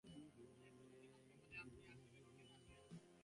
মনে করিয়াছিলাম আজ সকালেই আপনি আসিবেন, কেন আসিলেন না?